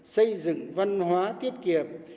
xây dựng văn hóa tiết kiệm